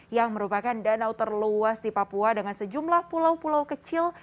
yang merupakan danau terluas di papua dengan sejumlah pulau pulau kecil